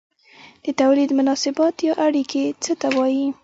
د توليد مناسبات یا اړیکې څه ته وايي؟